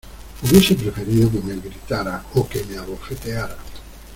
hubiese preferido que me gritara o que me abofeteara